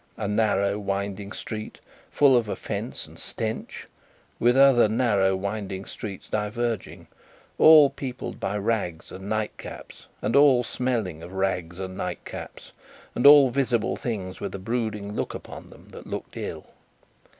A narrow winding street, full of offence and stench, with other narrow winding streets diverging, all peopled by rags and nightcaps, and all smelling of rags and nightcaps, and all visible things with a brooding look upon them that looked ill.